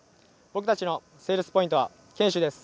僕たちのセールスポイントは「堅守」です。